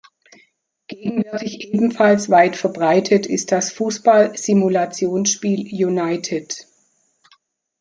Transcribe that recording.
Gegenwärtig ebenfalls weit verbreitet ist das Fußball-Simulationsspiel United.